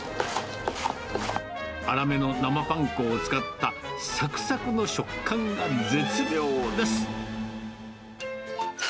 粗めの生パン粉を使った、さくさくの食感が絶妙です。